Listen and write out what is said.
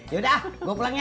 yaudah gue pulang ya